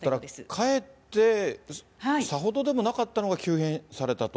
かえって、さほどでもなかったのが急変されたと。